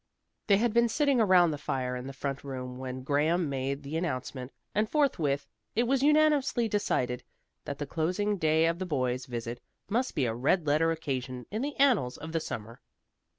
They had been sitting around the fire in the front room when Graham made the announcement, and forthwith it was unanimously decided that the closing day of the boys' visit must be a red letter occasion in the annals of the summer.